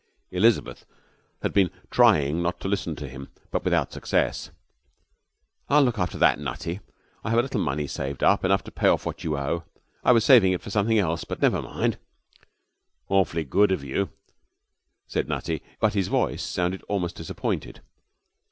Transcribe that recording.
Elizabeth had been trying not to listen to him, but without success. 'I'll look after that, Nutty. I have a little money saved up, enough to pay off what you owe. I was saving it for something else, but never mind.' 'Awfully good of you,' said Nutty, but his voice sounded almost disappointed.